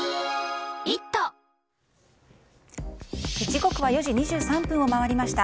時刻は４時２３分を回りました。